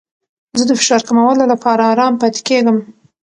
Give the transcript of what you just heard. زه د فشار کمولو لپاره ارام پاتې کیږم.